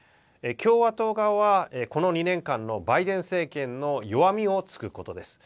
共和党側はこの２年間のバイデン政権の弱みをつくことです。